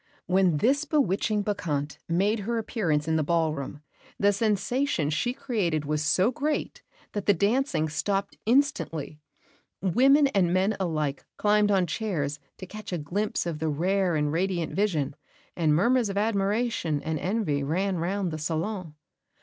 When this bewitching Bacchante made her appearance in the ballroom the sensation she created was so great that the dancing stopped instantly; women and men alike climbed on chairs to catch a glimpse of the rare and radiant vision, and murmurs of admiration and envy ran round the salon.